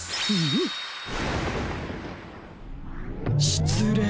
しつれい！